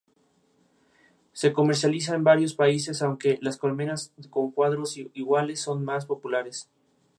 El material recibió reseñas variadas de los críticos contemporáneos.